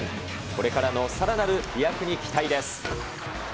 これからのさらなる飛躍に期待です。